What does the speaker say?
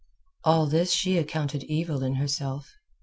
All this she accounted evil in herself.